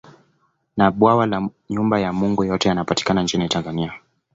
Na Bwawa la Nyumba ya Mungu yote yanapatikana nchini Tanzania